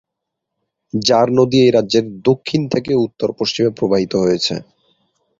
Jar নদী এই রাজ্যের দক্ষিণ থেকে উত্তর-পশ্চিমে প্রবাহিত হয়েছে।